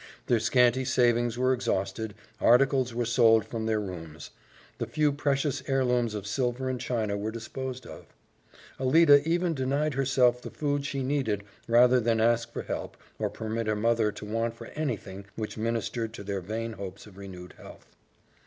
Their scanty savings were exhausted; articles were sold from their rooms; the few precious heirlooms of silver and china were disposed of; Alida even denied herself the food she needed rather than ask for help or permit her mother to want for anything which ministered to their vain hopes of renewed health.